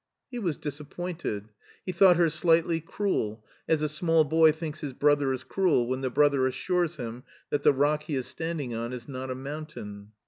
He was disappointed. He thought her slightly cruel, as a small boy thinks his brother is cruel when the brother assures him that the rock he is standing on is not a mountain.